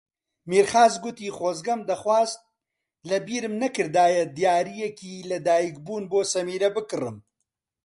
مێرخاس گوتی خۆزگەم دەخواست لەبیرم نەکردایە دیارییەکی لەدایکبوون بۆ سەمیرە بکڕم.